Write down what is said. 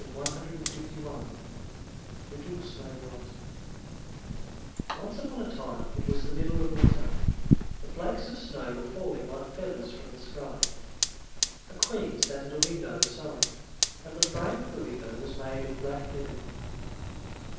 LITTLE SNOW WHITE BY WILHELM AND JAKOB GRIMM Once upon a time it was the middle of winter; the flakes of snow were falling like feathers from the sky; a Queen sat at a window sewing, and the frame of the window was made of black ebony.